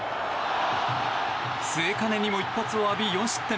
末包にも一発を浴び４失点。